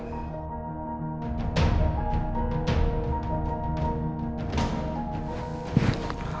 tidak ada apa apa